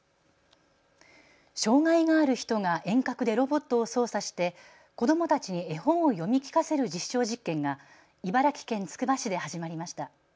障害がある人が遠隔でロボットを操作して子どもたちに絵本を読み聞かせる実証実験が茨城県つくば市で始まりました。